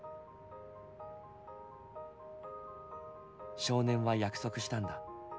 少年は約束したんだ。